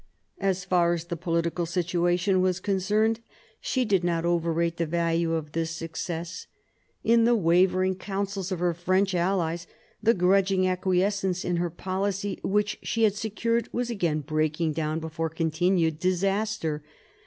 As far as the politi cal situation was concerned, she did not overrate the value of this success. In the wavering councils of her French allies, the grudging acquiescence in her policy which she had secured was again breaking down before continued disaster.